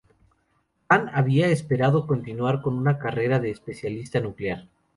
Hahn había esperado continuar con una carrera de especialista nuclear.